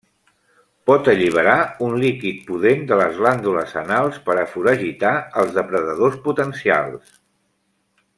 Pot alliberar un líquid pudent de les glàndules anals per a foragitar els depredadors potencials.